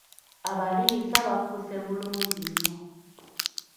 Abaliisa bakkuse bulungi nnyo.